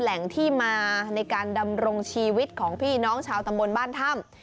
แหล่งที่มาในการดำรงชีวิตของพี่น้องชาวตำบลบ้านถ้ำ